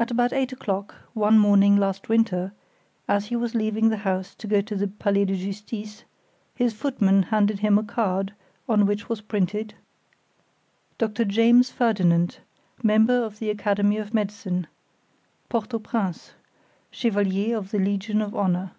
At about eight o'clock, one morning last winter, as he was leaving the house to go to the Palais de Justice, his footman handed him a card, on which was printed: DOCTOR JAMES FERDINAND, _Member of the Academy of Medicine, Port au Prince, Chevalier of the Legion of Honor.